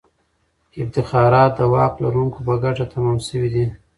افتخارات د واک لرونکو په ګټه تمام سوي دي.